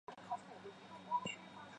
分子结为一种类似绳结的。